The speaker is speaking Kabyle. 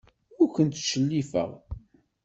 Ur kent-ttcellifeɣ.